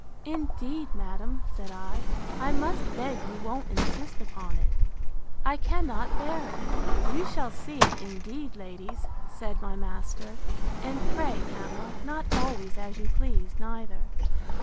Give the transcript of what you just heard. Indeed, madam, said I, I must beg you won't insist upon it. I cannot bear it.—You shall see it, indeed, ladies, said my master; and pray, Pamela, not always as you please, neither.